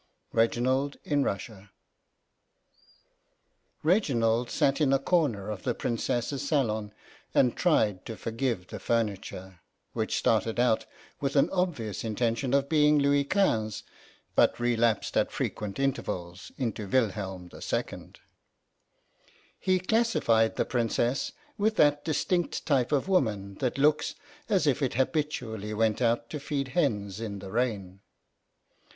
REGINALD IN RUSSIA REGINALD sat in a corner of the Princess's salon and tried to forgive the furniture, which started out with an obvious intention of being Louis Quinze, but relapsed at frequent intervals into Wilhelm II. He classified the Princess with that distinct type of woman that looks as if it habitually went out to feed hens in the rain.